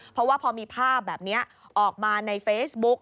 เพราะว่าพอมีภาพแบบนี้ออกมาในเฟซบุ๊ก